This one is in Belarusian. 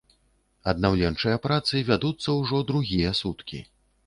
Аднаўленчыя працы вядуцца ўжо другія суткі.